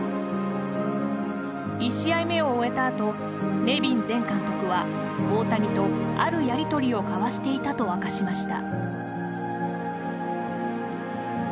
１試合目を終えたあとネビン前監督は大谷とあるやりとりを交わしていたと明かしました。